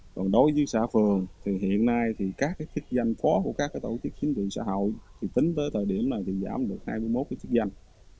còn đối với xã phường thì hiện nay thì các cái chức danh phó của các tổ chức chính trị xã hội thì tính tới thời điểm này thì giảm được hai mươi một cái chức danh